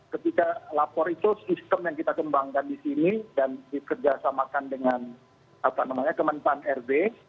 ketika lapor itu sistem yang kita kembangkan di sini dan dikerjasamakan dengan kemenpan rb